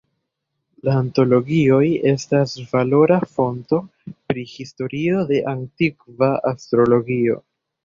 La antologioj estas valora fonto pri historio de antikva astrologio.